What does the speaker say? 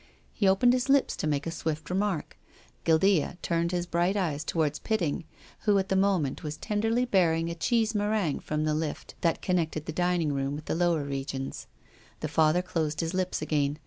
He opened his lips to make a swift remark. Guildea turned his bright eyes PROFESSOR GUILDEA. 307 towards Pitting, who at the moment was tenderly bearing a cheese meringue from the lift that con nected the dining room with the lower regions. The Father closed his lips again.